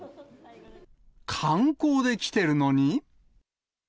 観光で来てるのに。